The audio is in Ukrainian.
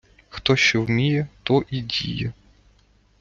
Хто що вміє, то і діє